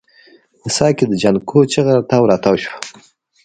په څاه کې د جانکو چيغه تاو راتاو شوه.